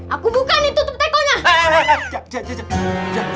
aku bukan ditutup teko nya